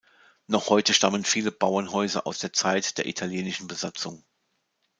Noch heute stammen viele Bauernhäuser aus der Zeit der italienischen Besatzung.